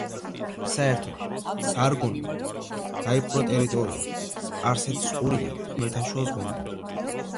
საერთოდ სარგონმა დაიპყრო ტერიტორია სპარსეთის ყურიდან ხმელთაშუა ზღვამდე.